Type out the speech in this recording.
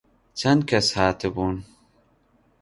چەند کەس هاتبوون؟